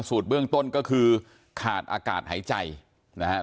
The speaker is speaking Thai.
สูตรเบื้องต้นก็คือขาดอากาศหายใจนะครับ